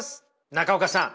中岡さん。